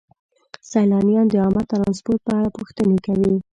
سیلانیان د عامه ترانسپورت په اړه پوښتنې کوي.